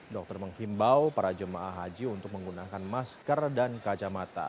dokter menghimbau para jemaah haji untuk menggunakan masker dan kacamata